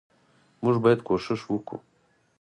موږ باید کوښښ وکو